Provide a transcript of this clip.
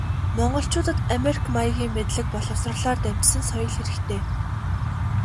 Монголчуудад америк маягийн мэдлэг боловсролоор дамжсан соёл хэрэгтэй.